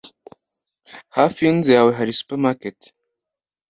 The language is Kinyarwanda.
Hafi yinzu yawe hari supermarket?